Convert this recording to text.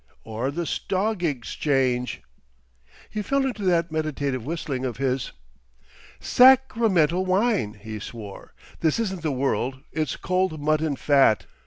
"Or the stog igschange." He fell into that meditative whistling of his. "Sac ramental wine!" he swore, "this isn't the world—it's Cold Mutton Fat!